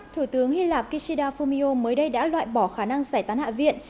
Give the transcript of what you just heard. thủ tướng hy lạp kishida fumio mới đây đã loại bỏ khả năng giải tán hạ viện